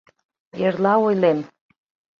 Эрла ойлем.